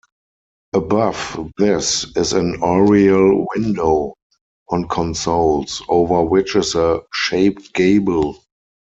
Above this is an oriel window on consoles over which is a shaped gable.